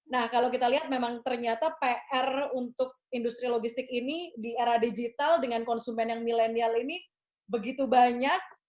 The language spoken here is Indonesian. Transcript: nah kalau kita lihat memang ternyata pr untuk industri logistik ini di era digital dengan konsumen yang milenial ini begitu banyak